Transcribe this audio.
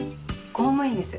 公務員です。